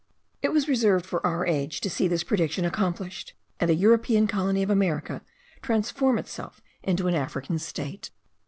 It was reserved for our age to see this prediction accomplished; and a European colony of America transform itself into an African state.